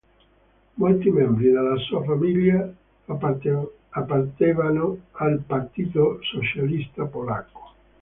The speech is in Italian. Molti membri della sua famiglia appartenevano al Partito Socialista Polacco.